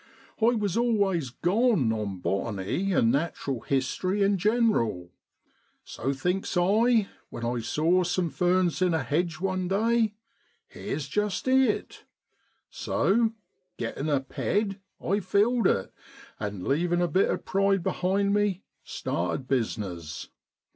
I was always ' gone ' on botany, and natural history in general. So thinks I, when I saw some ferns in a hedge one day, here's just it; so, getting a ' ped,' I filled it, and leaving a bit of pride behind me, started business.